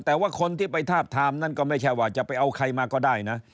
แต่ว่าคนที่ไปทาบทามนั้นก็ไม่ใช่ว่าจะไปเอาใครมาก็ได้นะ